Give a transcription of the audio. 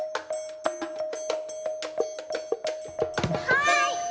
はい！